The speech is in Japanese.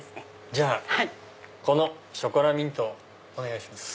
じゃあこのショコラミントをお願いします。